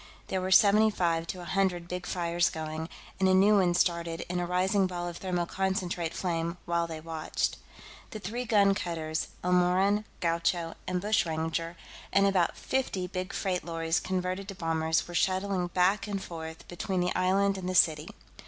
There were seventy five to a hundred big fires going, and a new one started in a rising ball of thermoconcentrate flame while they watched. The three gun cutters, Elmoran, Gaucho, and Bushranger, and about fifty big freight lorries converted to bombers, were shuttling back and forth between the island and the city.